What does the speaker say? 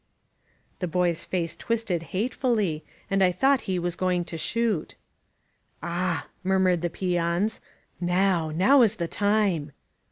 The boy's face twisted hatefully, and I thought he was going to shoot, "Ah!" murmured the peons. "Now! Now is the time!"